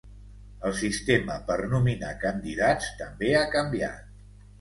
El sistema per nominar candidats també ha canviat.